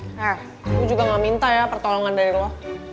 eh gue juga gak minta ya pertolongan dari lo